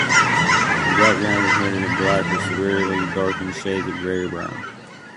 The background is rendered in black or severely darkened shades of gray or brown.